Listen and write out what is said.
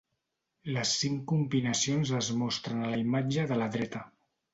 Les cinc combinacions es mostren a la imatge de la dreta.